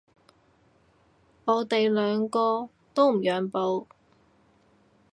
我哋兩個都唔讓步